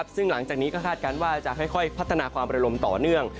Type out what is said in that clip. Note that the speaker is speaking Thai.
ซึ่งหลังจากนี้ก็คาดการณ์ว่าจะค่อยพัฒนาความระลมต่อเนื่อง